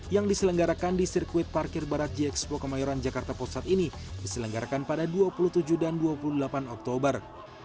yang diselenggarakan di sirkuit parkir barat gxpo kemayoran jakarta pusat ini diselenggarakan pada dua puluh tujuh dan dua puluh delapan oktober